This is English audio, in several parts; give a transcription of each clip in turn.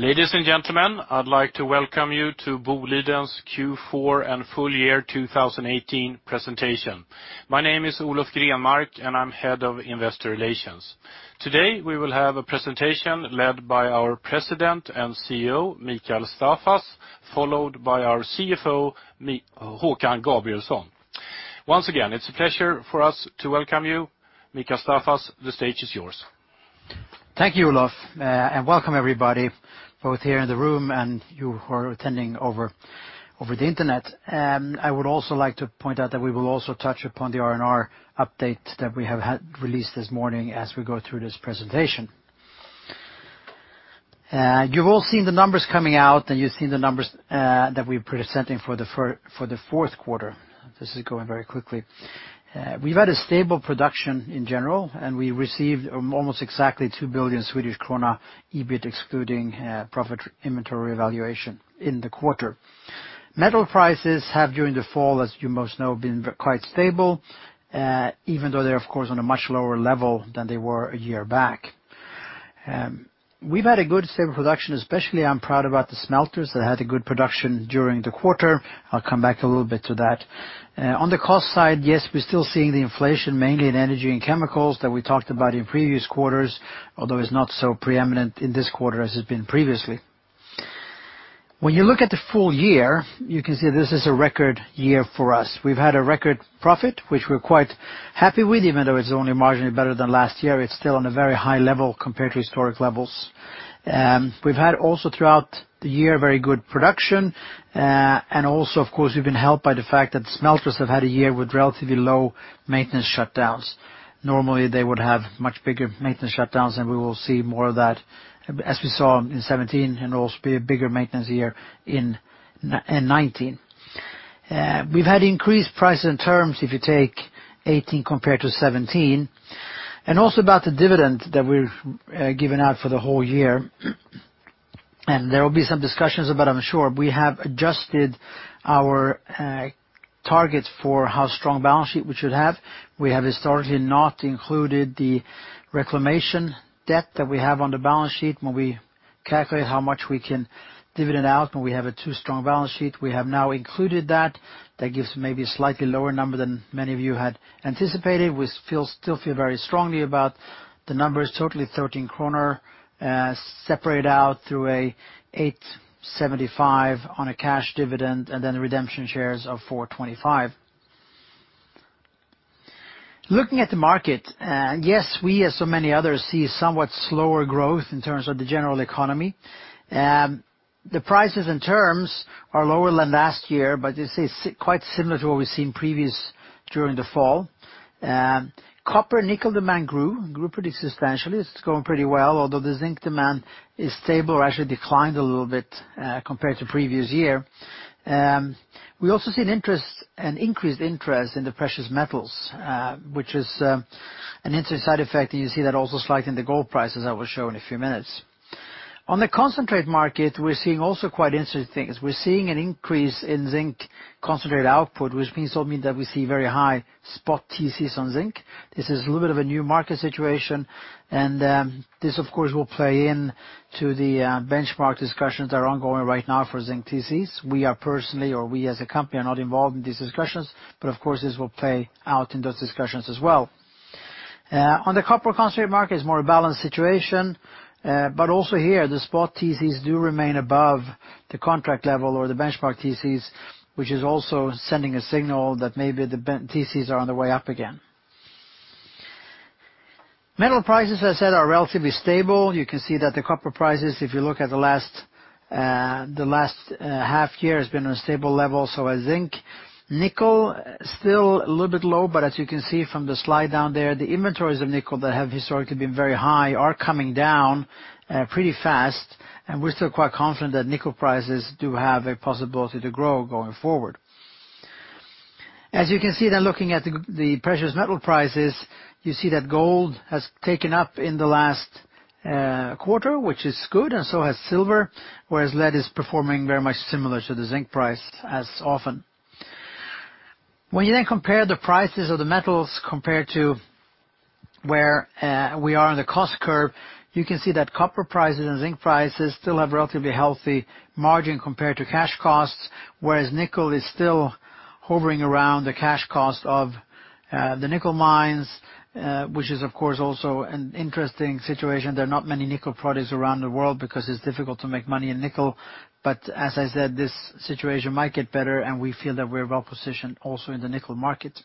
Ladies and gentlemen, I'd like to welcome you to Boliden's Q4 and full year 2018 presentation. My name is Olof Grenmark, and I'm Head of Investor Relations. Today, we will have a presentation led by our President and CEO, Mikael Staffas, followed by our CFO, Håkan Gabrielsson. Once again, it's a pleasure for us to welcome you. Mikael Staffas, the stage is yours. Thank you, Olof, and welcome everybody, both here in the room and you who are attending over the internet. I would also like to point out that we will also touch upon the R&R update that we have had released this morning as we go through this presentation. You've all seen the numbers coming out, and you've seen the numbers that we're presenting for the fourth quarter. This is going very quickly. We've had a stable production in general, and we received almost exactly 2 billion Swedish krona EBIT excluding process inventory revaluation in the quarter. Metal prices have, during the fall, as you most know, been quite stable, even though they're of course, on a much lower level than they were a year back. We've had a good, stable production. Especially, I'm proud about the smelters that had a good production during the quarter. I'll come back a little bit to that. On the cost side, yes, we're still seeing the inflation mainly in energy and chemicals that we talked about in previous quarters, although it's not so preeminent in this quarter as it's been previously. When you look at the full year, you can see this is a record year for us. We've had a record profit, which we're quite happy with, even though it's only marginally better than last year. It's still on a very high level compared to historic levels. We've had also throughout the year very good production, and also, of course, we've been helped by the fact that smelters have had a year with relatively low maintenance shutdowns. Normally, they would have much bigger maintenance shutdowns, and we will see more of that as we saw in 2017 and also a bigger maintenance year in 2019. We've had increased prices and terms if you take 2018 compared to 2017. Also about the dividend that we've given out for the whole year, there will be some discussions about, I'm sure. We have adjusted our targets for how strong balance sheet we should have. We have historically not included the reclamation debt that we have on the balance sheet when we calculate how much we can dividend out, and we have a too strong balance sheet. We have now included that. That gives maybe a slightly lower number than many of you had anticipated. We still feel very strongly about the number is totally 13 kronor, separated out through 8.75 on a cash dividend, and then redemption shares of 4.25. Looking at the market, yes, we, as so many others, see somewhat slower growth in terms of the general economy. The prices and terms are lower than last year. This is quite similar to what we've seen previous during the fall. Copper and nickel demand grew pretty substantially. It's going pretty well, although the zinc demand is stable or actually declined a little bit compared to previous year. We also see an increased interest in the precious metals, which is an interesting side effect, and you see that also slight in the gold price as I will show in a few minutes. On the concentrate market, we're seeing also quite interesting things. We're seeing an increase in zinc concentrate output, which means something that we see very high spot TCs on zinc. This is a little bit of a new market situation. This, of course, will play into the benchmark discussions that are ongoing right now for zinc TCs. We are personally or we as a company are not involved in these discussions. Of course, this will play out in those discussions as well. On the copper concentrate market is more a balanced situation. Also here, the spot TCs do remain above the contract level or the benchmark TCs, which is also sending a signal that maybe the TCs are on the way up again. Metal prices, as I said, are relatively stable. You can see that the copper prices, if you look at the last half year, has been on a stable level, so as zinc. Nickel, still a little bit low. As you can see from the slide down there, the inventories of nickel that have historically been very high are coming down pretty fast. We're still quite confident that nickel prices do have a possibility to grow going forward. As you can see then looking at the precious metal prices, you see that gold has taken up in the last quarter, which is good. So has silver, whereas lead is performing very much similar to the zinc price as often. When you then compare the prices of the metals compared to where we are on the cost curve, you can see that copper prices and zinc prices still have relatively healthy margin compared to cash costs, whereas nickel is still hovering around the cash cost of the nickel mines, which is, of course, also an interesting situation. There are not many nickel products around the world because it's difficult to make money in nickel. As I said, this situation might get better. We feel that we're well-positioned also in the nickel market.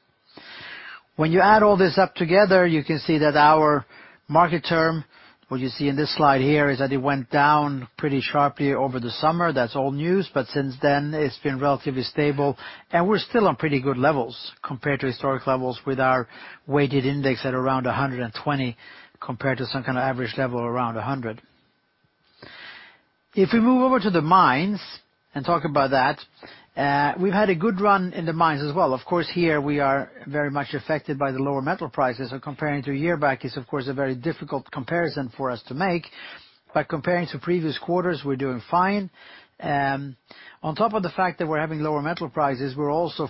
When you add all this up together, you can see that our market term, what you see in this slide here, is that it went down pretty sharply over the summer. That's old news. Since then, it's been relatively stable. We're still on pretty good levels compared to historic levels with our weighted index at around 120 compared to some kind of average level around 100. If we move over to the mines and talk about that, we've had a good run in the mines as well. Of course, here we are very much affected by the lower metal prices. Comparing to a year back is, of course, a very difficult comparison for us to make. By comparing to previous quarters, we're doing fine. On top of the fact that we're having lower metal prices, we're also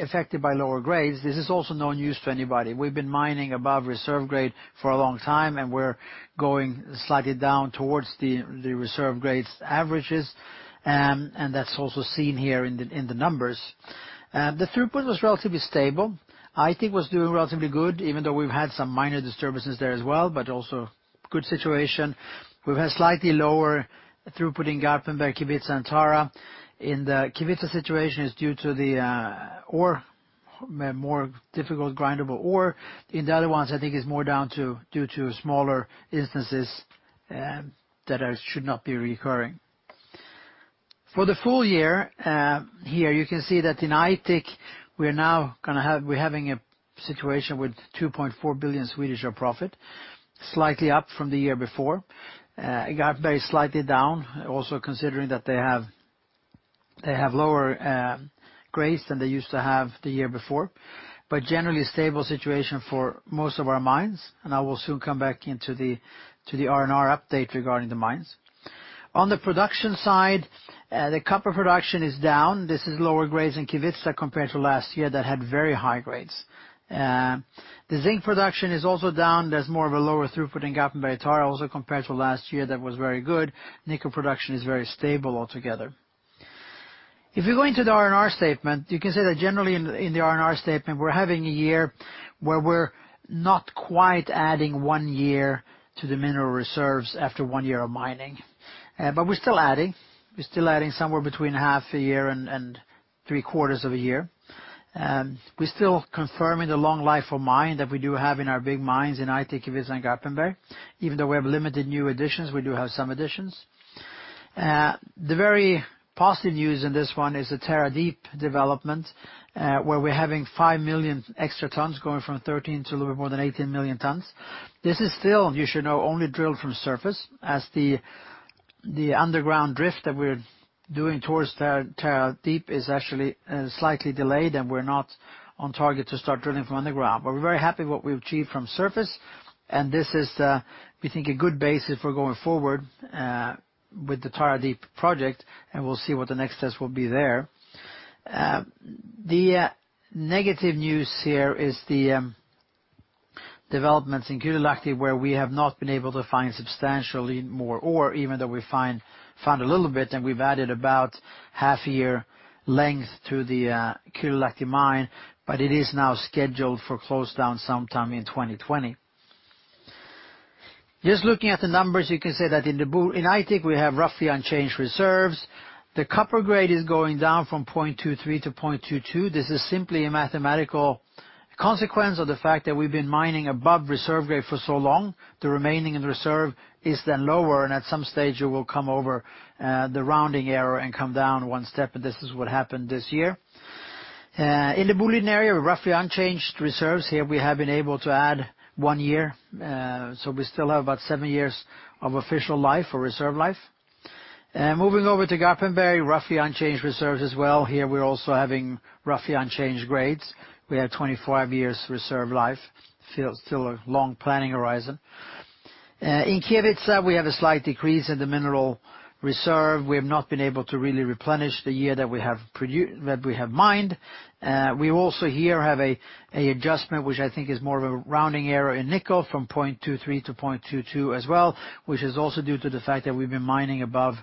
affected by lower grades. This is also no news to anybody. We've been mining above reserve grade for a long time, and we're going slightly down towards the reserve grades averages, and that's also seen here in the numbers. The throughput was relatively stable. Aitik was doing relatively good, even though we've had some minor disturbances there as well, but also good situation. We've had slightly lower throughput in Garpenberg, Kevitsa, and Tara. The Kevitsa situation is due to the ore, more difficult grindable ore. In the other ones, I think it's more due to smaller instances that should not be reoccurring. For the full year, here you can see that in Aitik, we're having a situation with 2.4 billion profit, slightly up from the year before. Garpenberg slightly down, also considering that they have lower grades than they used to have the year before. Generally stable situation for most of our mines. I will soon come back into the R&R update regarding the mines. On the production side, the copper production is down. This is lower grades in Kevitsa compared to last year that had very high grades. The zinc production is also down. There's more of a lower throughput in Garpenberg and Tara also compared to last year that was very good. Nickel production is very stable altogether. If you go into the R&R statement, you can say that generally in the R&R statement, we're having a year where we're not quite adding one year to the mineral reserves after one year of mining. We're still adding somewhere between half a year and three quarters of a year. We're still confirming the long life of mine that we do have in our big mines in Aitik, Kevitsa, and Garpenberg. Even though we have limited new additions, we do have some additions. The very positive news in this one is the Tara Deep development, where we're having 5 million extra tons going from 13 million tons to a little more than 18 million tons. This is still, you should know, only drilled from surface as the underground drift that we're doing towards Tara Deep is actually slightly delayed. We're not on target to start drilling from underground. We're very happy what we've achieved from surface. This is, we think, a good basis for going forward with the Tara Deep project. We'll see what the next test will be there. The negative news here is the developments in Kylälähti, where we have not been able to find substantially more ore, even though we found a little bit and we've added about half a year length to the Kylälähti mine. It is now scheduled for close down sometime in 2020. Just looking at the numbers, you can say that in Aitik, we have roughly unchanged reserves. The copper grade is going down from 0.23%-0.22%. This is simply a mathematical consequence of the fact that we've been mining above reserve grade for so long. The remaining in reserve is then lower. At some stage it will come over the rounding error and come down one step. This is what happened this year. In the Boliden Area, roughly unchanged reserves. Here we have been able to add one year, so we still have about seven years of official life or reserve life. Moving over to Garpenberg, roughly unchanged reserves as well. Here we are also having roughly unchanged grades. We have 25 years reserve life. Still a long planning horizon. In Kevitsa, we have a slight decrease in the mineral reserve. We have not been able to really replenish the year that we have mined. We also here have an adjustment, which I think is more of a rounding error in nickel from 0.23%-0.22% as well, which is also due to the fact that we have been mining above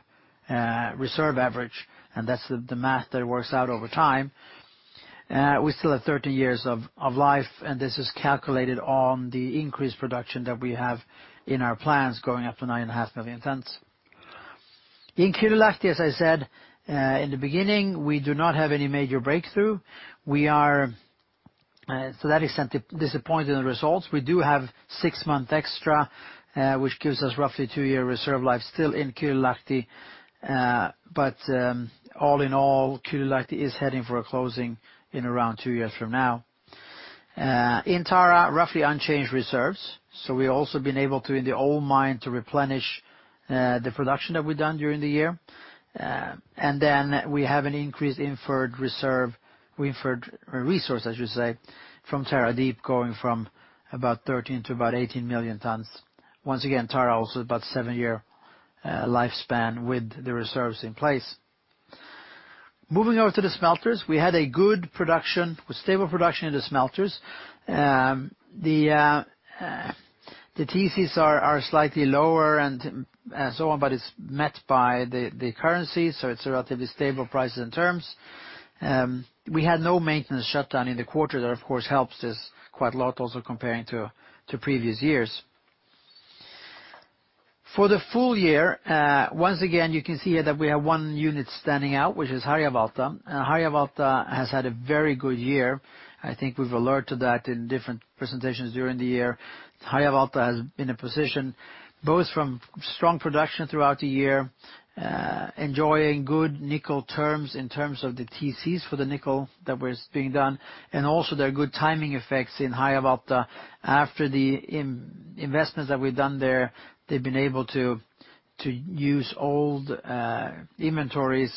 reserve average, and that's the math that works out over time. We still have 30 years of life, and this is calculated on the increased production that we have in our plans going up to 9.5 million tons. In Kylälähti, as I said in the beginning, we do not have any major breakthrough. That is disappointing results. We do have six-month extra, which gives us roughly two-year reserve life still in Kylälähti. All in all, Kylälähti is heading for a closing in around two years from now. In Tara, roughly unchanged reserves. We have also been able to, in the old mine, to replenish the production that we have done during the year. Then we have an increased inferred resource, I should say, from Tara Deep, going from about 13 million tons to about 18 million tons. Once again, Tara also about seven-year lifespan with the reserves in place. Moving over to the smelters, we had a good production with stable production in the smelters. The TCs are slightly lower and so on, but it's met by the currency, so it's a relatively stable price in terms. We had no maintenance shutdown in the quarter that of course helps us quite a lot also comparing to previous years. For the full year, once again, you can see here that we have one unit standing out, which is Harjavalta. Harjavalta has had a very good year. I think we have alerted that in different presentations during the year. Harjavalta has been in a position, both from strong production throughout the year, enjoying good nickel terms in terms of the TCs for the nickel that was being done, and also there are good timing effects in Harjavalta. After the investments that we have done there, they have been able to use old inventories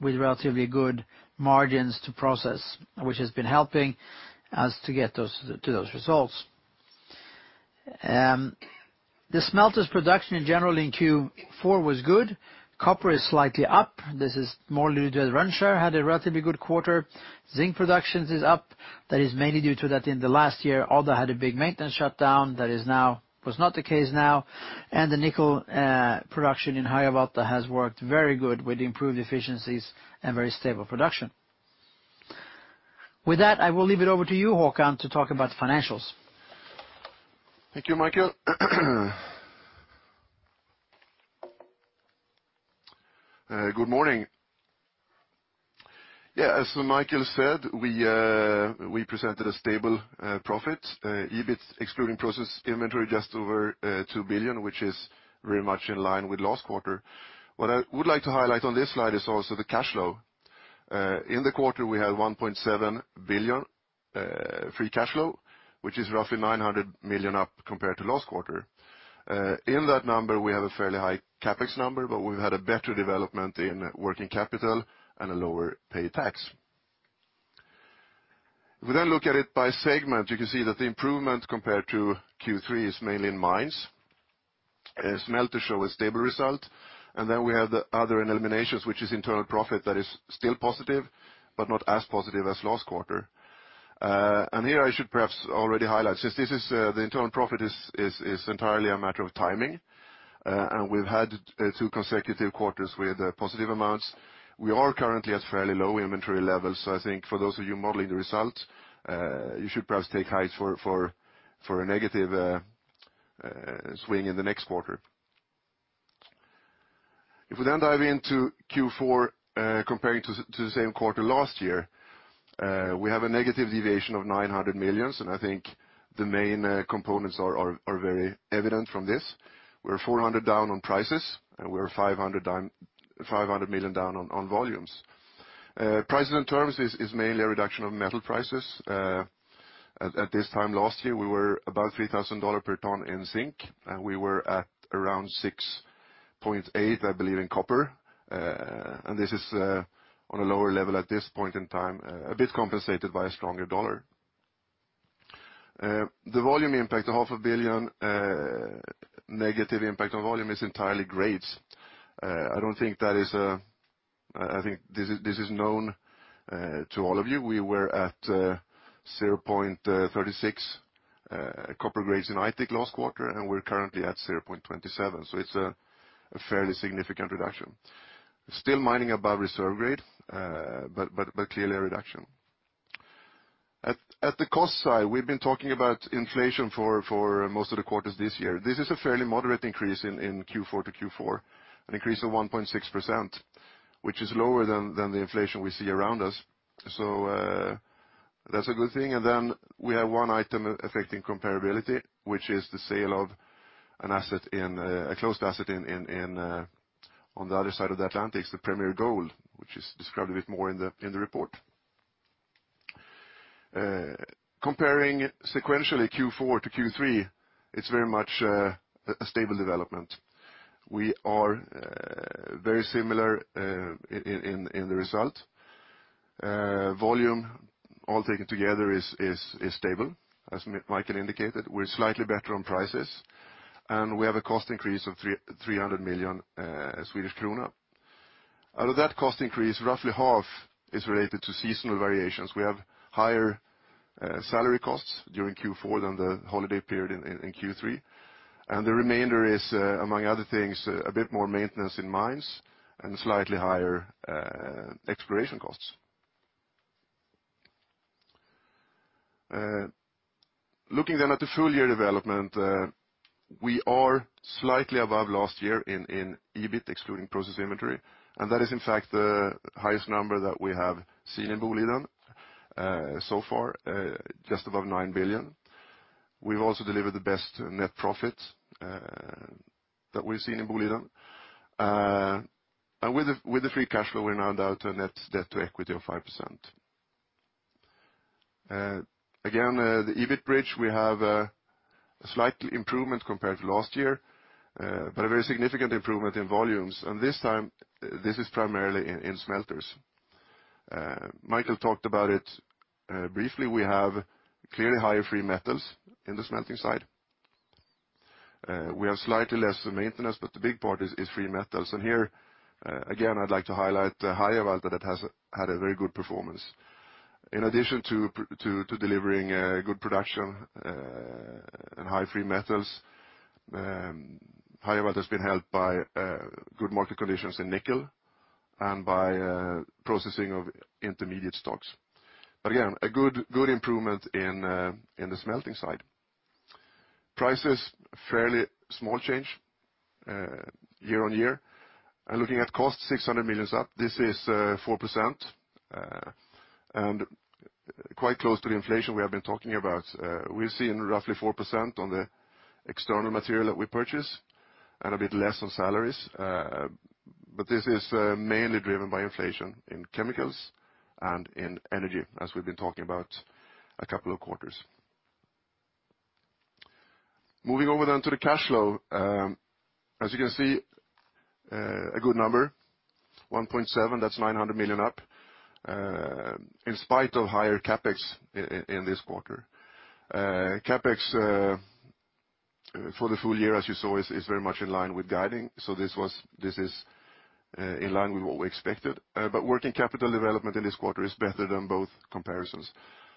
with relatively good margins to process, which has been helping us to get to those results. The smelters production in general in Q4 was good. Copper is slightly up. This is more due to Rönnskär had a relatively good quarter. Zinc productions is up. That is mainly due to that in the last year, Odda had a big maintenance shutdown. That was not the case now. The nickel production in Harjavalta has worked very good with improved efficiencies and very stable production. With that, I will leave it over to you, Håkan, to talk about the financials. Thank you, Mikael. Good morning. As Mikael said, we presented a stable profit, EBIT excluding process inventory just over 2 billion, which is very much in line with last quarter. What I would like to highlight on this slide is also the cash flow. In the quarter, we had 1.7 billion free cash flow, which is roughly 900 million up compared to last quarter. In that number, we have a fairly high CapEx number, but we've had a better development in working capital and a lower pay tax. If we look at it by segment, you can see that the improvement compared to Q3 is mainly in mines. Smelters show a stable result. Then we have the other and eliminations, which is internal profit that is still positive, but not as positive as last quarter. Here I should perhaps already highlight, since the internal profit is entirely a matter of timing, and we've had two consecutive quarters with positive amounts. We are currently at fairly low inventory levels. So I think for those of you modeling the result, you should perhaps take height for a negative swing in the next quarter. If we dive into Q4, comparing to the same quarter last year, we have a negative deviation of 900 million, and I think the main components are very evident from this. We're 400 million down on prices, and we're 500 million down on volumes. Prices in terms is mainly a reduction of metal prices. At this time last year, we were about $3,000 per ton in zinc, and we were at around $6.8, I believe, in copper. This is on a lower level at this point in time, a bit compensated by a stronger dollar. The volume impact of half a billion negative impact on volume is entirely grades. I think this is known to all of you. We were at 0.36% copper grades in Aitik last quarter, and we're currently at 0.27%. So it's a fairly significant reduction. Still mining above reserve grade, but clearly a reduction. At the cost side, we've been talking about inflation for most of the quarters this year. This is a fairly moderate increase in Q4 to Q4, an increase of 1.6%, which is lower than the inflation we see around us. So that's a good thing. Then we have one item affecting comparability, which is the sale of a closed asset on the other side of the Atlantic, the Premier Gold, which is described a bit more in the report. Comparing sequentially Q4 to Q3, it's very much a stable development. We are very similar in the result. Volume, all taken together is stable, as Mikael indicated. We're slightly better on prices, and we have a cost increase of 300 million Swedish krona. Out of that cost increase, roughly half is related to seasonal variations. We have higher salary costs during Q4 than the holiday period in Q3, and the remainder is, among other things, a bit more maintenance in mines and slightly higher exploration costs. Looking at the full year development, we are slightly above last year in EBIT excluding process inventory, and that is in fact the highest number that we have seen in Boliden so far, just above 9 billion. We have also delivered the best net profit that we have seen in Boliden. With the free cash flow, we round out a net debt to equity of 5%. The EBIT bridge, we have a slight improvement compared to last year, but a very significant improvement in volumes. This time, this is primarily in smelters. Mikael talked about it briefly. We have clearly higher free metals in the smelting side. We have slightly less maintenance, but the big part is free metals. Here, again, I would like to highlight Harjavalta that has had a very good performance. In addition to delivering good production and high free metals, Harjavalta has been helped by good market conditions in nickel and by processing of intermediate stocks. A good improvement in the smelting side. Prices, fairly small change year-over-year. Looking at cost, 600 million is up. This is 4%, and quite close to the inflation we have been talking about. We are seeing roughly 4% on the external material that we purchase and a bit less on salaries. This is mainly driven by inflation in chemicals and in energy, as we have been talking about a couple of quarters. Moving over to the cash flow. As you can see, a good number, 1.7 billion. That is 900 million up in spite of higher CapEx in this quarter. CapEx for the full year, as you saw, is very much in line with guiding. This is in line with what we expected. Working capital development in this quarter is better than both comparisons.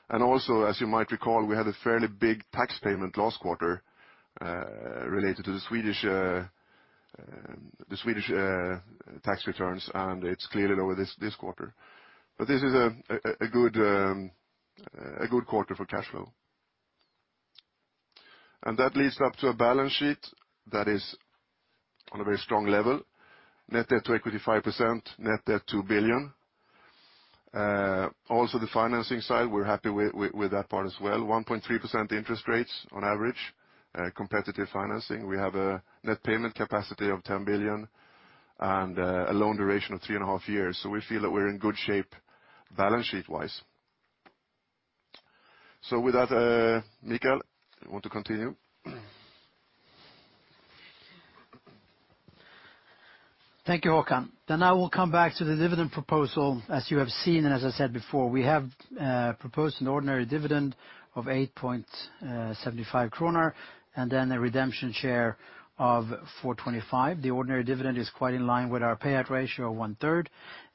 As you might recall, we had a fairly big tax payment last quarter related to the Swedish tax returns, and it is clearly lower this quarter. This is a good quarter for cash flow. That leads up to a balance sheet that is on a very strong level. Net debt to equity, 5%. Net debt, 2 billion. The financing side, we are happy with that part as well. 1.3% interest rates on average, competitive financing. We have a net payment capacity of 10 billion and a loan duration of three and a half years. We feel that we are in good shape balance sheet-wise. With that, Mikael, you want to continue? Thank you, Håkan. I will come back to the dividend proposal. As you have seen, as I said before, we have proposed an ordinary dividend of 8.75 kronor and a redemption share of 4.25. The ordinary dividend is quite in line with our payout ratio of one third.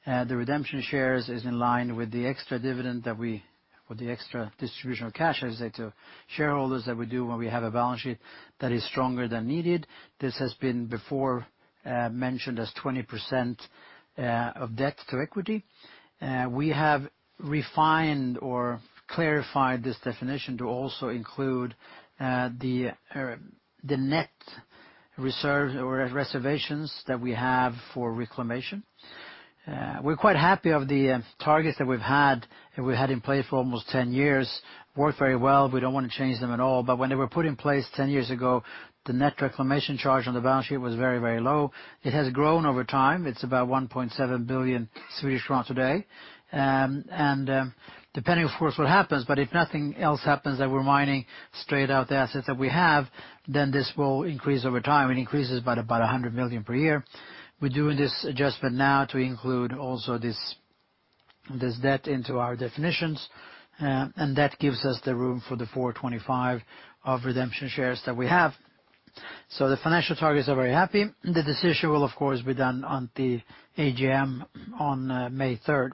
The redemption shares is in line with the extra dividend or the extra distribution of cash, I say, to shareholders that we do when we have a balance sheet that is stronger than needed. This has been before mentioned as 20% of debt to equity. We have refined or clarified this definition to also include the net reserve or reservations that we have for reclamation. We are quite happy of the targets that we have had in place for almost 10 years. Worked very well. We do not want to change them at all. When they were put in place 10 years ago, the net reclamation charge on the balance sheet was very low. It has grown over time. It is about 1.7 billion Swedish kronor today. Depending, of course, what happens, but if nothing else happens, that we are mining straight out the assets that we have, then this will increase over time. It increases by about 100 million per year. We are doing this adjustment now to include also this debt into our definitions, and that gives us the room for the 4.25 of redemption shares that we have. The financial targets are very happy. The decision will, of course, be done on the AGM on May 3rd.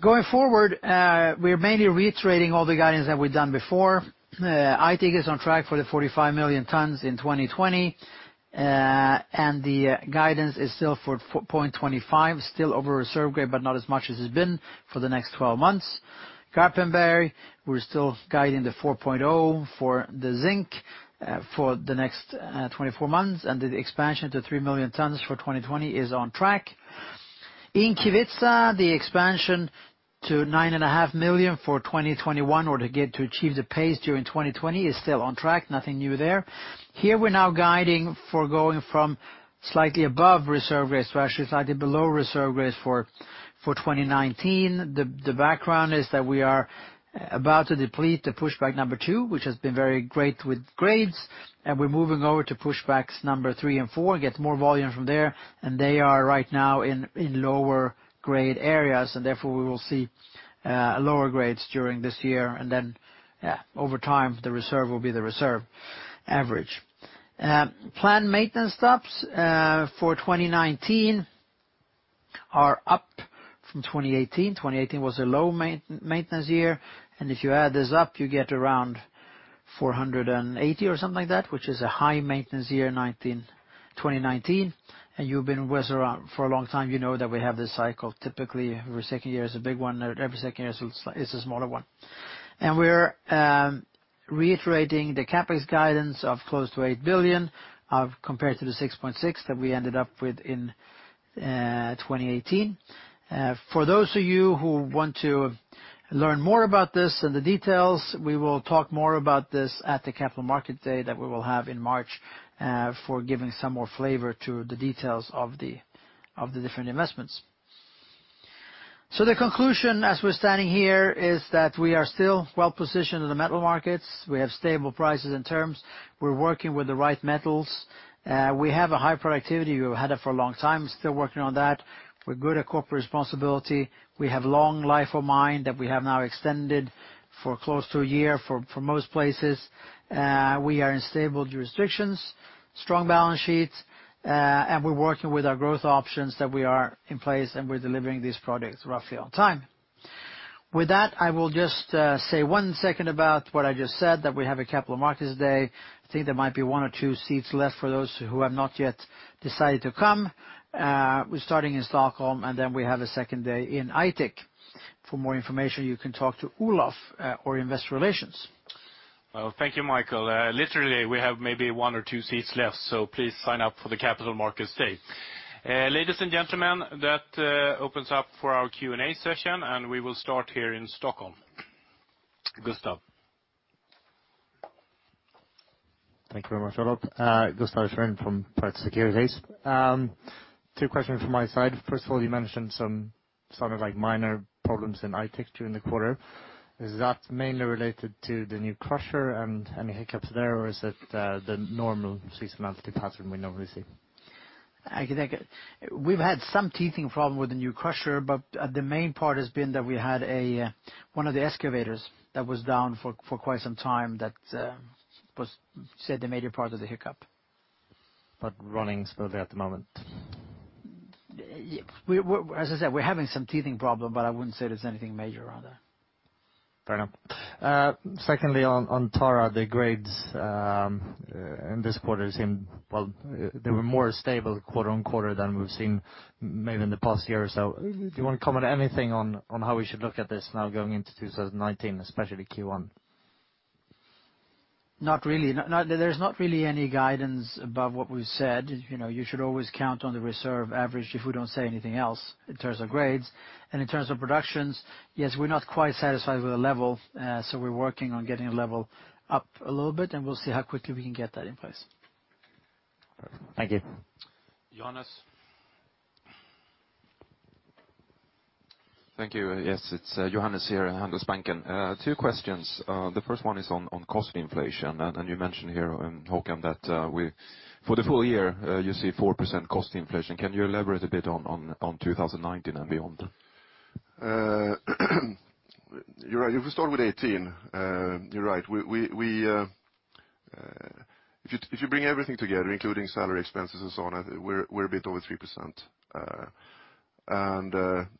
Going forward, we are mainly reiterating all the guidance that we have done before. Aitik is on track for the 45 million tons in 2020, the guidance is still for 4.25, still over reserve grade, but not as much as it has been for the next 12 months. Garpenberg, we are still guiding the 4.0 for the zinc for the next 24 months, and the expansion to three million tons for 2020 is on track. In Kevitsa, the expansion to 9.5 million for 2021 or to achieve the pace during 2020 is still on track. Nothing new there. Here we are now guiding for going from slightly above reserve grade to actually slightly below reserve grades for 2019. The background is that we are about to deplete the pushback number two, which has been very great with grades, and we are moving over to pushbacks number three and four, get more volume from there. They are right now in lower grade areas, therefore we will see lower grades during this year. Then over time, the reserve will be the reserve average. Planned maintenance stops for 2019 are up from 2018. 2018 was a low maintenance year. If you add this up, you get around 480 million or something like that, which is a high maintenance year, 2019. You have been with us around for a long time, you know that we have this cycle. Typically every second year is a big one, every second year is a smaller one. We are reiterating the CapEx guidance of close to 8 billion compared to the 6.6 billion that we ended up with in 2018. For those of you who want to learn more about this and the details, we will talk more about this at the Capital Markets Day that we will have in March for giving some more flavor to the details of the different investments. The conclusion as we are standing here is that we are still well positioned in the metal markets. We have stable prices and terms. We are working with the right metals. We have a high productivity. We have had it for a long time, still working on that. We are good at corporate responsibility. We have long life of mine that we have now extended for close to a year for most places. We are in stable jurisdictions, strong balance sheets, we are working with our growth options that we are in place, and we are delivering these projects roughly on time. With that, I will just say one second about what I just said, that we have a Capital Markets Day. I think there might be one or two seats left for those who have not yet decided to come. We're starting in Stockholm. Then we have a second day in Aitik. For more information, you can talk to Olof or Investor Relations. Well, thank you, Mikael. Literally, we have maybe one or two seats left, please sign up for the Capital Markets Day. Ladies and gentlemen, that opens up for our Q&A session. We will start here in Stockholm. Gustaf? Thank you very much, Olof. Gustaf Schwerin from Pareto Securities. Two questions from my side. First of all, you mentioned some sort of minor problems in Aitik during the quarter. Is that mainly related to the new crusher and any hiccups there? Is it the normal seasonality pattern we normally see? I think we've had some teething problem with the new crusher. The main part has been that we had one of the excavators that was down for quite some time that was, say, the major part of the hiccup. Running smoothly at the moment? As I said, we're having some teething problem, but I wouldn't say there's anything major around that. Fair enough. Secondly, on Tara, the grades in this quarter, they were more stable quarter-on-quarter than we've seen maybe in the past year or so. Do you want to comment anything on how we should look at this now going into 2019, especially Q1? Not really. There's not really any guidance above what we've said. You should always count on the reserve average if we don't say anything else in terms of grades. In terms of productions, yes, we're not quite satisfied with the level. We're working on getting the level up a little bit, and we'll see how quickly we can get that in place. Thank you. Johannes. Thank you. Yes, it's Johannes here at Handelsbanken. Two questions. The first one is on cost inflation. You mentioned here, Håkan, that for the full year, you see 4% cost inflation. Can you elaborate a bit on 2019 and beyond? If we start with 2018, you're right. If you bring everything together, including salary expenses and so on, we're a bit over 3%.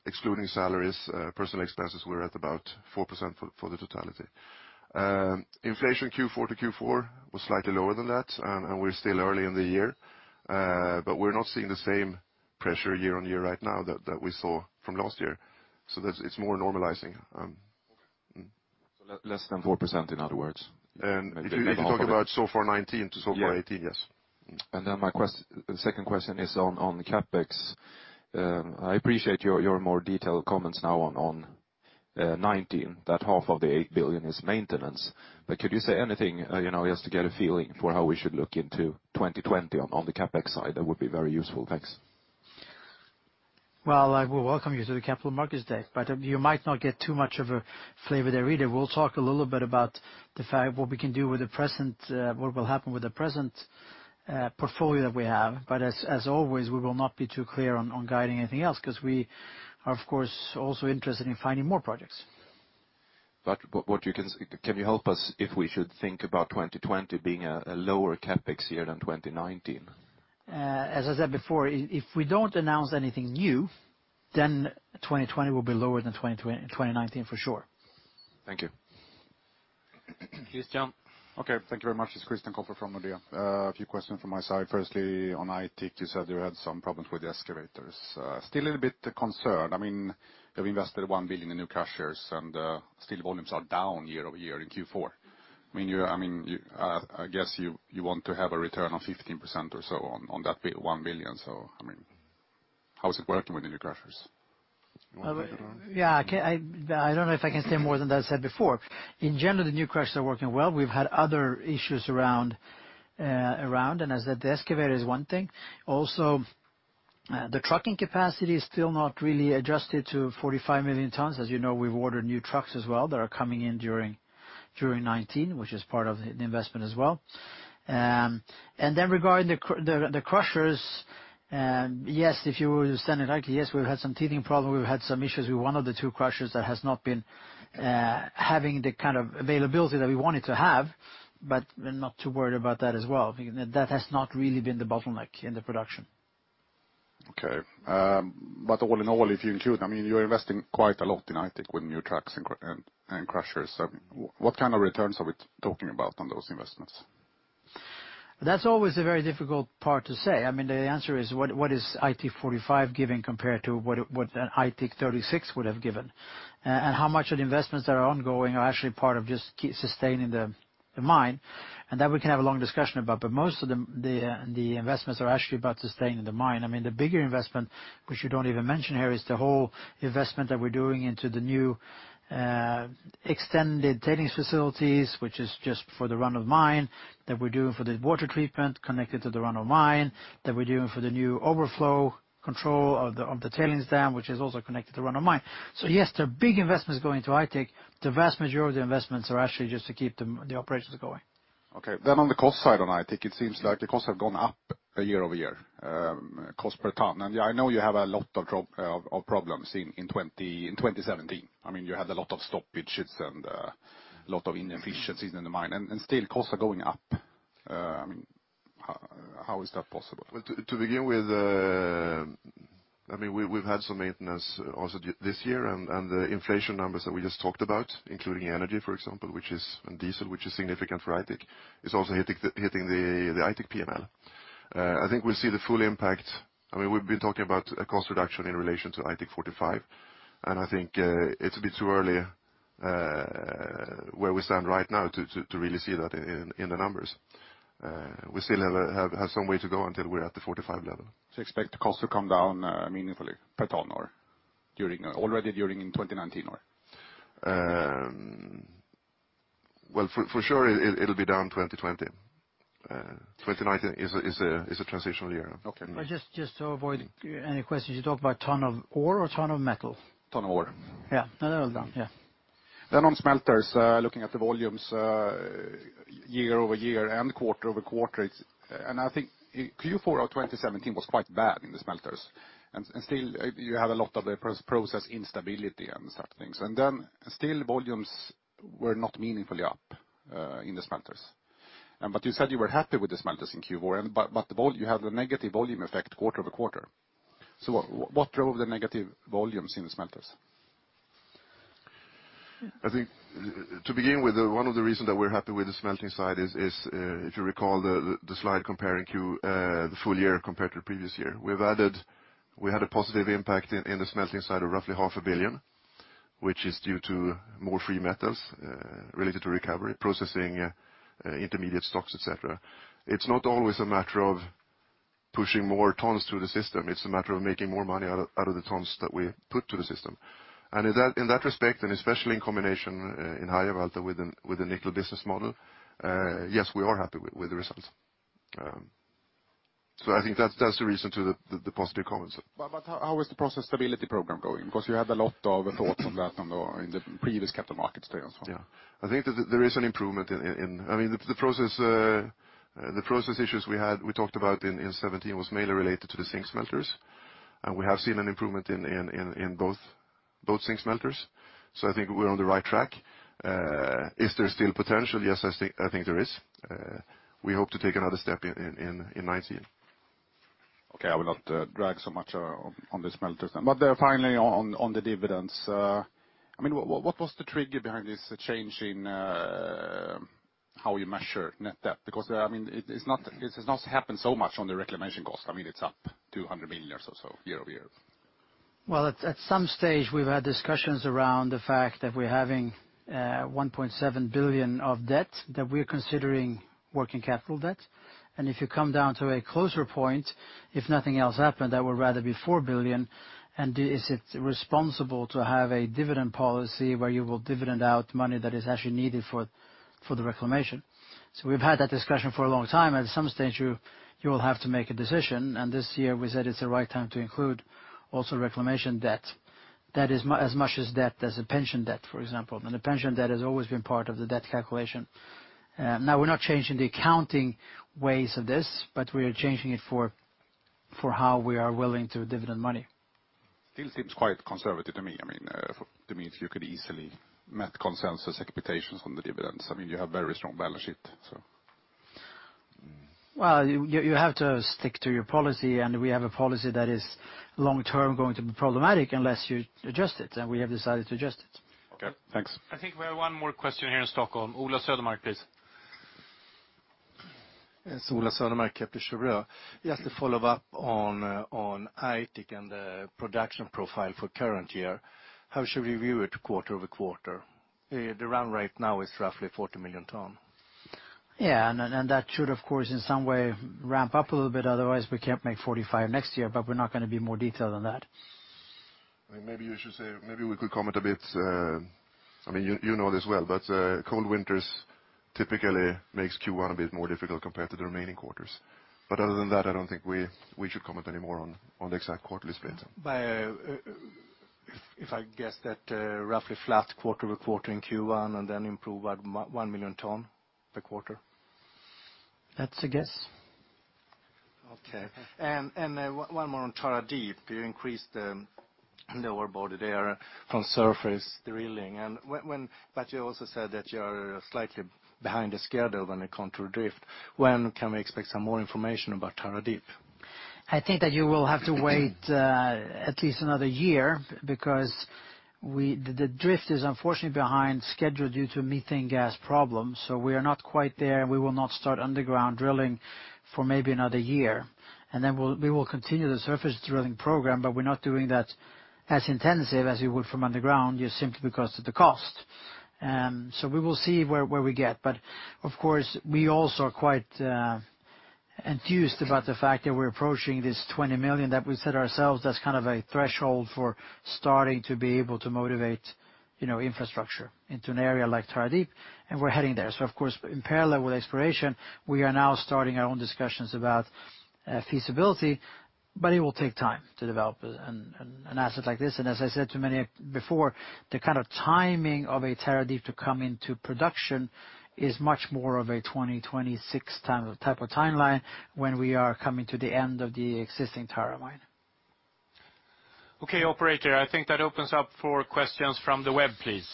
Excluding salaries, personal expenses, we're at about 4% for the totality. Inflation Q4 to Q4 was slightly lower than that, and we're still early in the year. We're not seeing the same pressure year-over-year right now that we saw from last year. It's more normalizing. Less than 4%, in other words. If you talk about so far 2019 to so far 2018, yes. My second question is on CapEx. I appreciate your more detailed comments now on 2019, that half of the 8 billion is maintenance. Could you say anything, just to get a feeling for how we should look into 2020 on the CapEx side? That would be very useful. Thanks. We welcome you to the Capital Markets Day, but you might not get too much of a flavor there either. We'll talk a little bit about the fact what we can do with the present, what will happen with the present portfolio that we have. As always, we will not be too clear on guiding anything else because we are, of course, also interested in finding more projects. Can you help us if we should think about 2020 being a lower CapEx year than 2019? As I said before, if we don't announce anything new, then 2020 will be lower than 2019 for sure. Thank you. Christian. Okay, thank you very much. It's Christian Kopfer from Nordea. A few questions from my side. Firstly, on Aitik, you said you had some problems with the excavators. Still a little bit concerned. You have invested 1 billion in new crushers and steel volumes are down year-over-year in Q4. I guess you want to have a return of 15% or so on that 1 billion. How is it working with the new crushers? Yeah. I don't know if I can say more than I said before. In general, the new crushers are working well. We've had other issues around, and as I said, the excavator is one thing. Also, the trucking capacity is still not really adjusted to 45 million tons. As you know, we've ordered new trucks as well that are coming in during 2019, which is part of the investment as well. Regarding the crushers, yes, if you understand it rightly, yes, we've had some teething problems. We've had some issues with one of the two crushers that has not been having the kind of availability that we want it to have, but we're not too worried about that as well. That has not really been the bottleneck in the production. Okay. All in all, if you include, you're investing quite a lot in Aitik with new trucks and crushers. What kind of returns are we talking about on those investments? That's always a very difficult part to say. The answer is what is Aitik 45 giving compared to what an Aitik 36 would have given, and how much of the investments that are ongoing are actually part of just sustaining the mine. That we can have a long discussion about. Most of the investments are actually about sustaining the mine. The bigger investment, which you don't even mention here, is the whole investment that we're doing into the new extended tailings facilities, which is just for the run of mine that we're doing for the water treatment connected to the run of mine, that we're doing for the new overflow control of the tailings dam, which is also connected to run of mine. Yes, there are big investments going into Aitik. The vast majority of the investments are actually just to keep the operations going. Okay. On the cost side on Aitik, it seems like the costs have gone up year-over-year, cost per ton. I know you have a lot of problems in 2017. You had a lot of stoppages and a lot of inefficiencies in the mine, and still costs are going up. How is that possible? To begin with, we've had some maintenance also this year, and the inflation numbers that we just talked about, including energy, for example, and diesel, which is significant for Aitik, is also hitting the Aitik P&L. I think we'll see the full impact. We've been talking about a cost reduction in relation to Aitik 45, and I think it's a bit too early where we stand right now to really see that in the numbers. We still have some way to go until we're at the 45 level. Expect costs to come down meaningfully per ton or already during in 2019 or? Well, for sure it'll be down 2020. 2019 is a transitional year. Okay. Just to avoid any questions, you talk about ton of ore or ton of metal? Ton of ore. Yeah. No, that was done. Yeah. On smelters, looking at the volumes year-over-year and quarter-over-quarter, I think Q4 2017 was quite bad in the smelters. Still, you had a lot of the process instability and such things. Still volumes were not meaningfully up in the smelters. You said you were happy with the smelters in Q4. You have a negative volume effect quarter-over-quarter. What drove the negative volumes in the smelters? I think to begin with, one of the reasons that we're happy with the smelting side is, if you recall the slide comparing the full year compared to the previous year. We had a positive impact in the smelting side of roughly half a billion, which is due to more free metals related to recovery, processing, intermediate stocks, et cetera. It's not always a matter of pushing more tons through the system. It's a matter of making more money out of the tons that we put to the system. In that respect, especially in combination in Harjavalta with the nickel business model, yes, we are happy with the results. I think that's the reason to the positive comments. How is the process stability program going? Because you had a lot of thoughts on that in the previous Capital Markets Day as well. Yeah. I think that there is an improvement. The process issues we talked about in 2017 was mainly related to the zinc smelters, and we have seen an improvement in both zinc smelters. I think we're on the right track. Is there still potential? Yes, I think there is. We hope to take another step in 2019. Okay, I will not drag so much on the smelters then. Finally, on the dividends. What was the trigger behind this change in how you measure net debt? Because it has not happened so much on the reclamation cost. It's up 200 million or so year-over-year. Well, at some stage we've had discussions around the fact that we're having 1.7 billion of debt that we're considering working capital debt. If you come down to a closer point, if nothing else happened, that would rather be 4 billion. Is it responsible to have a dividend policy where you will dividend out money that is actually needed for the reclamation? We've had that discussion for a long time. At some stage, you will have to make a decision, and this year we said it's the right time to include also reclamation debt. That is as much as debt as a pension debt, for example. The pension debt has always been part of the debt calculation. Now, we're not changing the accounting ways of this, but we are changing it for how we are willing to dividend money. Still seems quite conservative to me. To me, you could easily meet consensus expectations on the dividends. You have very strong balance sheet. Well, you have to stick to your policy, and we have a policy that is long-term going to be problematic unless you adjust it, and we have decided to adjust it. Okay, thanks. I think we have one more question here in Stockholm. Ola Södermark, please. Yes. Ola Södermark, Kepler Cheuvreux. Just to follow up on Aitik and the production profile for current year. How should we view it quarter-over-quarter? The run rate now is roughly 40 million tons. Yeah. That should, of course, in some way ramp up a little bit, otherwise we can't make 45 million tons next year, we're not going to be more detailed than that. Maybe we could comment a bit. You know this well, cold winters typically makes Q1 a bit more difficult compared to the remaining quarters. Other than that, I don't think we should comment any more on the exact quarterly split. If I guess that roughly flat quarter-over-quarter in Q1 then improve 1 million tons per quarter. That's a guess. Okay. One more on Tara Deep. You increased the ore body there from surface drilling. You also said that you are slightly behind the schedule on the contour drift. When can we expect some more information about Tara Deep? I think that you will have to wait at least another year because the drift is unfortunately behind schedule due to methane gas problems. We are not quite there, and we will not start underground drilling for maybe another year. Then we will continue the surface drilling program, but we're not doing that as intensive as we would from underground, just simply because of the cost. We will see where we get, but of course, we also are quite enthused about the fact that we're approaching this 20 million that we set ourselves. That's a threshold for starting to be able to motivate infrastructure into an area like Tara Deep, and we're heading there. Of course, in parallel with exploration, we are now starting our own discussions about feasibility, but it will take time to develop an asset like this. As I said before, the kind of timing of a Tara Deep to come into production is much more of a 2026 type of timeline when we are coming to the end of the existing Tara mine. Okay. Operator, I think that opens up for questions from the web, please.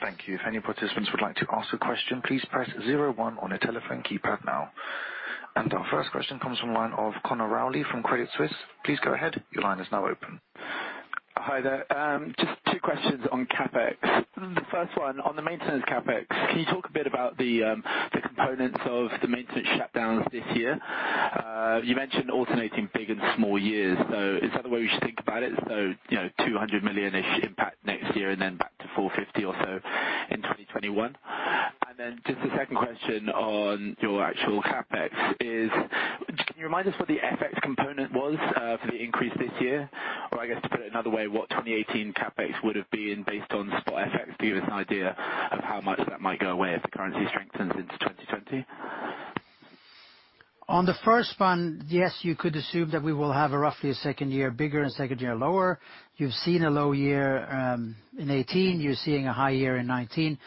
Thank you. If any participants would like to ask a question, please press zero one on your telephone keypad now. Our first question comes from line of Conor Rowley from Credit Suisse. Please go ahead. Your line is now open. Hi there. Just two questions on CapEx. The first one on the maintenance CapEx, can you talk a bit about the components of the maintenance shutdowns this year? You mentioned alternating big and small years, so is that the way we should think about it? So, 200 million-ish impact next year and then back to 450 million or so in 2021? Just the second question on your actual CapEx is, can you remind us what the FX component was for the increase this year? Or I guess to put it another way, what 2018 CapEx would've been based on spot FX, to give us an idea of how much that might go away if the currency strengthens into 2020? On the first one, yes, you could assume that we will have a roughly second year bigger and second year lower. You've seen a low year in 2018, you're seeing a high year in 2019.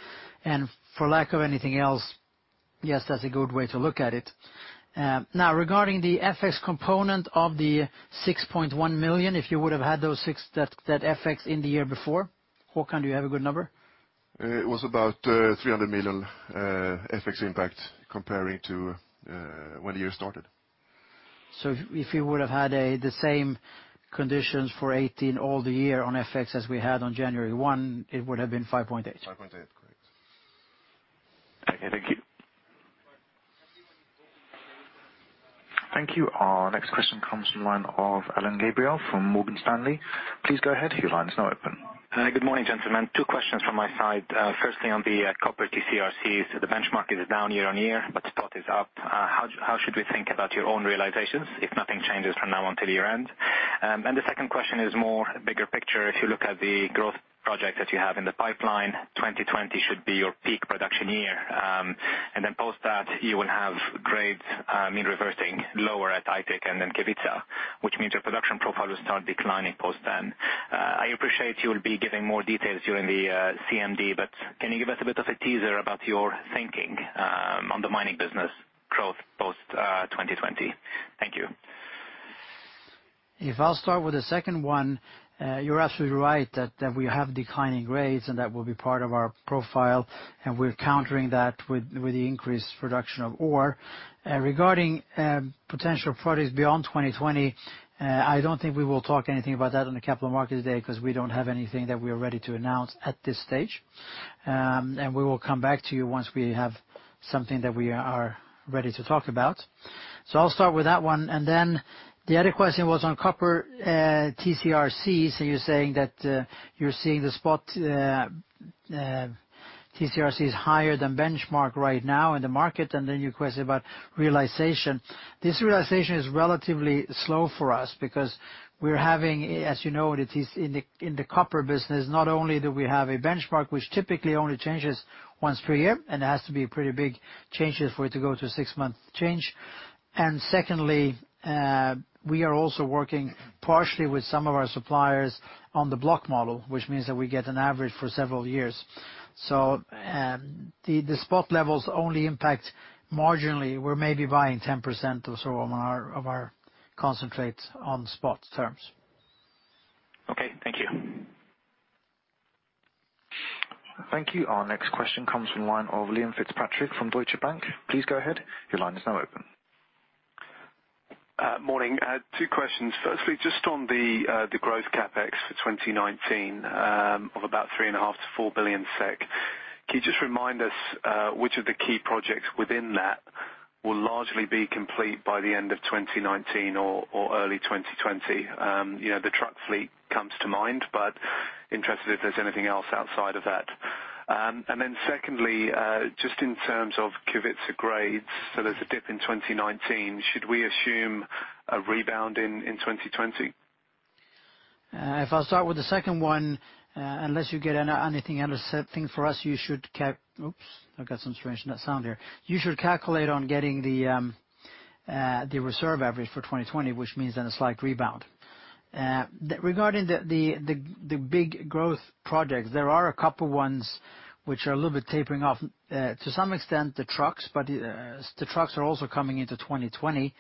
For lack of anything else, yes, that's a good way to look at it. Now, regarding the FX component of the 6.1 million, if you would've had that FX in the year before, Håkan, do you have a good number? It was about 300 million FX impact comparing to when the year started. If you would've had the same conditions for 2018 all the year on FX as we had on January 1, it would have been 5.8. 5.8, correct. Okay, thank you. Thank you. Our next question comes from line of Alain Gabriel from Morgan Stanley. Please go ahead, your line is now open. Good morning, gentlemen. Two questions from my side. First thing on the copper TCRC. The benchmark is down year-on-year, but spot is up. How should we think about your own realizations if nothing changes from now until year-end? The second question is more bigger picture. If you look at the growth project that you have in the pipeline, 2020 should be your peak production year. Then post that you will have grades mean reversing lower at Aitik and then Kevitsa, which means your production profile will start declining post then. I appreciate you'll be giving more details during the CMD, but can you give us a bit of a teaser about your thinking on the mining business growth post 2020? Thank you. I'll start with the second one. You're absolutely right that we have declining grades and that will be part of our profile, and we're countering that with the increased production of ore. Regarding potential projects beyond 2020, I don't think we will talk anything about that on the Capital Markets Day because we don't have anything that we are ready to announce at this stage. We will come back to you once we have something that we are ready to talk about. I'll start with that one. Then the other question was on copper TCRC. You're saying that you're seeing the spot TCRCs higher than benchmark right now in the market, and then you question about realization. This realization is relatively slow for us because we're having, as you know, in the copper business, not only do we have a benchmark, which typically only changes once per year, and it has to be pretty big changes for it to go to six months change. Secondly, we are also working partially with some of our suppliers on the block model, which means that we get an average for several years. The spot levels only impact marginally. We're maybe buying 10% or so of our concentrates on spot terms. Okay, thank you. Thank you. Our next question comes from line of Liam Fitzpatrick from Deutsche Bank. Please go ahead. Your line is now open. Morning. Two questions. Firstly, just on the growth CapEx for 2019, of about 3.5-4 billion SEK. Can you just remind us which of the key projects within that will largely be complete by the end of 2019 or early 2020? The truck fleet comes to mind, but interested if there's anything else outside of that. Secondly, just in terms of Kevitsa grades, there's a dip in 2019. Should we assume a rebound in 2020? If I start with the second one, unless you get anything other set thing for us, you should Oops! I've got some strange net sound here. You should calculate on getting the reserve average for 2020, which means then a slight rebound. Regarding the big growth projects, there are a couple ones which are a little bit tapering off. To some extent, the trucks, but the trucks are also coming into 2020.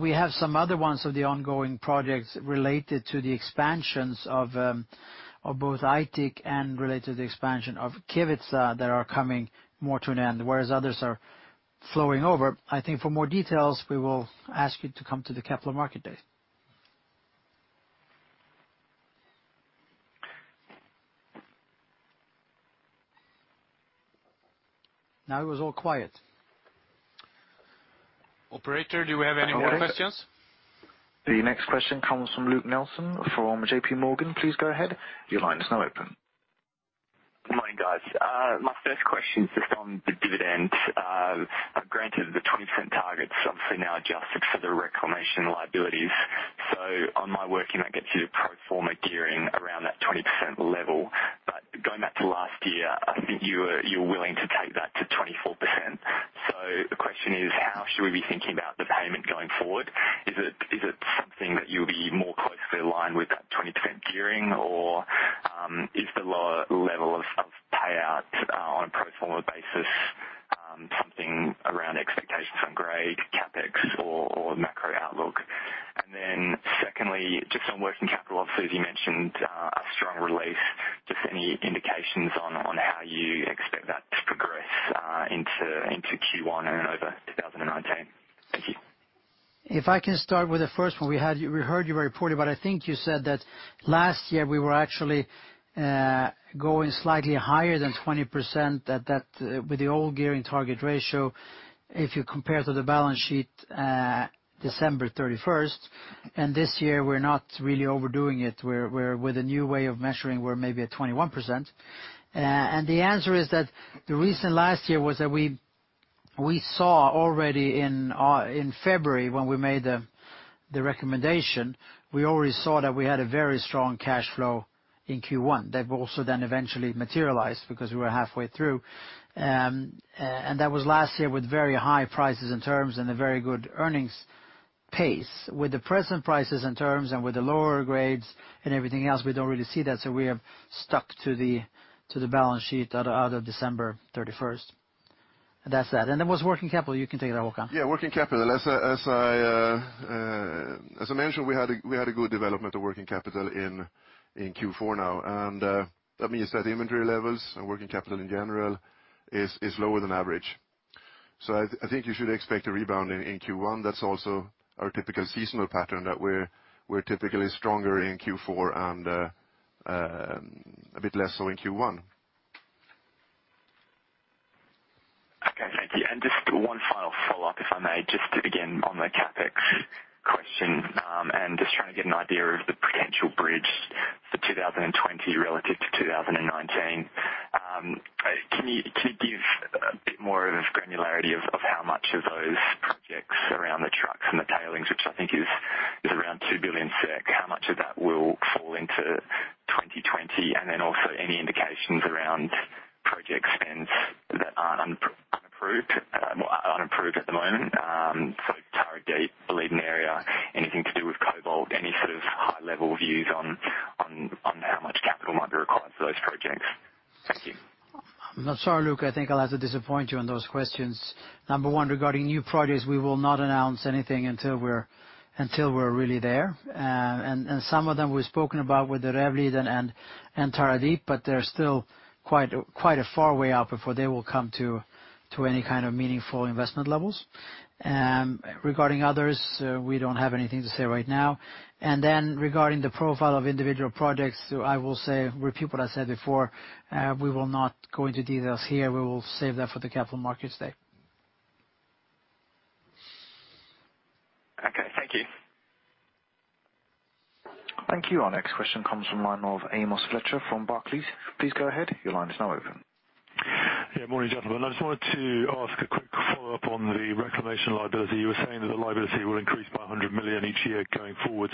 We have some other ones of the ongoing projects related to the expansions of both Aitik and related to the expansion of Kevitsa that are coming more to an end, whereas others are flowing over. I think for more details, we will ask you to come to the Capital Markets Day. Now it was all quiet. Operator, do we have any more questions? The next question comes from Luke Nelson from JPMorgan. Please go ahead. Your line is now open. Morning, guys. My first question is just on the dividend. Granted the 20% target's obviously now adjusted for the reclamation liabilities. On my working, that gets you to pro forma gearing around that 20% level. Going back to last year, I think you were willing to take that to 24%. The question is, how should we be thinking about the payment going forward? Is it something that you'll be more closely aligned with that 20% gearing, or is the lower level of payouts on a pro forma basis something around expectations on grade, CapEx or macro outlook? Secondly, just on working capital. Obviously, you mentioned a strong release. Just any indications on how you expect that to progress into Q1 and over 2019. Thank you. If I can start with the first one. We heard you very poorly, I think you said that last year we were actually going slightly higher than 20% with the old gearing target ratio, if you compare to the balance sheet December 31st, this year we're not really overdoing it. With the new way of measuring, we're maybe at 21%. The answer is that the reason last year was that We saw already in February when we made the recommendation, we already saw that we had a very strong cash flow in Q1. That also then eventually materialized because we were halfway through. That was last year with very high prices and terms and a very good earnings pace. With the present prices and terms and with the lower grades and everything else, we don't really see that, so we have stuck to the balance sheet out of December 31st. That's that. There was working capital, you can take that, Håkan. Yeah, working capital. As I mentioned, we had a good development of working capital in Q4 now. That means that inventory levels and working capital in general is lower than average. I think you should expect a rebound in Q1. That's also our typical seasonal pattern that we're typically stronger in Q4 and a bit less so in Q1. Okay, thank you. Just one final follow-up, if I may, just to begin on the CapEx question. Just trying to get an idea of the potential bridge for 2020 relative to 2019. Can you give a bit more of a granularity of how much of those projects around the trucks and the tailings, which I think is around 2 billion SEK, how much of that will fall into 2020? Then also any indications around project spends that aren't unapproved at the moment. Tara Deep, Boliden Area, anything to do with cobalt, any sort of high-level views on how much capital might be required for those projects. Thank you. I'm sorry, Luke, I think I'll have to disappoint you on those questions. Number one, regarding new projects, we will not announce anything until we're really there. Some of them we've spoken about with the Rävliden and Tara Deep, but they're still quite a far way out before they will come to any kind of meaningful investment levels. Regarding others, we don't have anything to say right now. Then regarding the profile of individual projects, I will repeat what I said before, we will not go into details here. We will save that for the Capital Markets Day. Okay, thank you. Thank you. Our next question comes from line of Amos Fletcher from Barclays. Please go ahead. Your line is now open. Yeah, morning, gentlemen. I just wanted to ask a quick follow-up on the reclamation liability. You were saying that the liability will increase by 100 million each year going forward.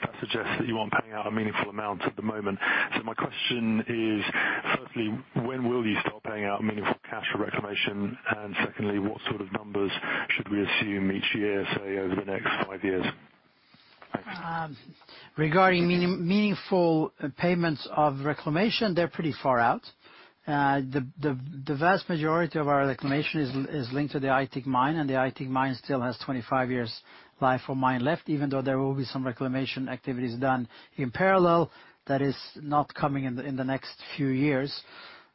That suggests that you aren't paying out a meaningful amount at the moment. My question is, firstly, when will you start paying out meaningful cash for reclamation? Secondly, what sort of numbers should we assume each year, say over the next five years? Thanks. Regarding meaningful payments of reclamation, they're pretty far out. The vast majority of our reclamation is linked to the Aitik mine, and the Aitik mine still has 25 years life of mine left, even though there will be some reclamation activities done in parallel that is not coming in the next few years.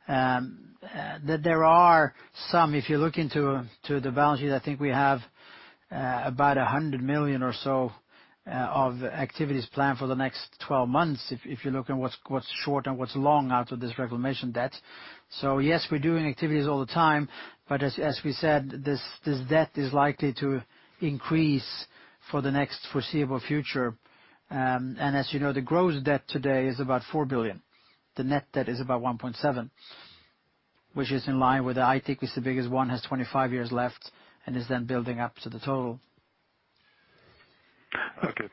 There are some, if you look into the balance sheet, I think we have about 100 million or so of activities planned for the next 12 months, if you look at what's short and what's long out of this reclamation debt. Yes, we're doing activities all the time, but as we said, this debt is likely to increase for the next foreseeable future. As you know, the gross debt today is about 4 billion. The net debt is about 1.7 billion, which is in line with the Aitik is the biggest one, has 25 years left, and is then building up to the total. Okay.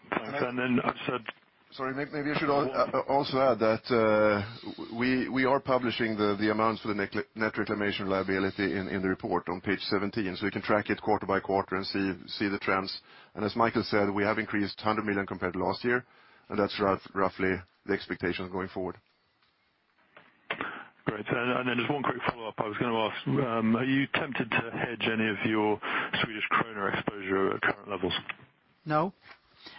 Sorry, maybe I should also add that we are publishing the amounts for the net reclamation liability in the report on page 17. We can track it quarter by quarter and see the trends. As Mikael said, we have increased 100 million compared to last year, and that's roughly the expectation going forward. Great. Just one quick follow-up I was going to ask, are you tempted to hedge any of your Swedish krona exposure at current levels? No.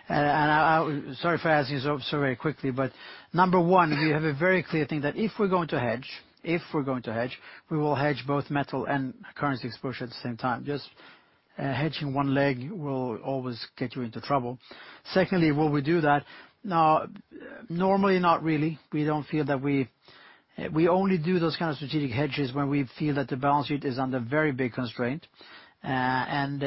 Sorry for answering so very quickly, but number one, we have a very clear thing that if we're going to hedge, we will hedge both metal and currency exposure at the same time. Just hedging one leg will always get you into trouble. Secondly, will we do that? No, normally not really. We only do those kind of strategic hedges when we feel that the balance sheet is under very big constraint.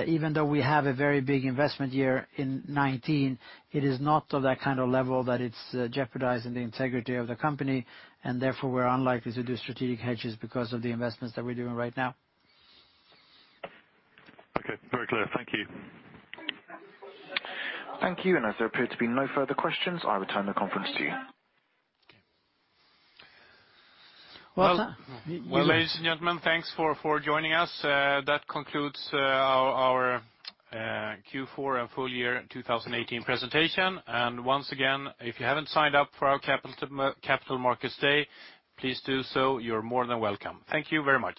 Even though we have a very big investment year in 2019, it is not of that kind of level that it's jeopardizing the integrity of the company, and therefore, we're unlikely to do strategic hedges because of the investments that we're doing right now. Okay. Very clear. Thank you. Thank you. As there appear to be no further questions, I return the conference to you. Well said. Well, ladies and gentlemen, thanks for joining us. That concludes our Q4 and full year 2018 presentation. Once again, if you haven't signed up for our Capital Markets Day, please do so. You're more than welcome. Thank you very much.